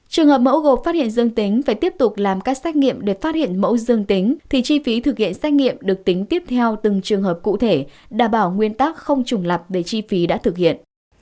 trường hợp mẫu gộp phát hiện dương tính phải tiếp tục làm các xét nghiệm để phát hiện mẫu dương tính thì chi phí thực hiện xét nghiệm được tính tiếp theo từng trường hợp cụ thể đảm bảo nguyên tắc không trùng lập về chi phí đã thực hiện